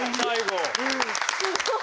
すごい！